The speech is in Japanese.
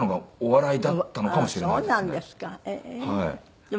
はい。